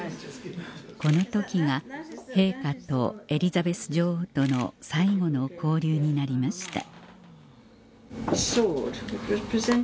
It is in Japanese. この時が陛下とエリザベス女王との最後の交流になりました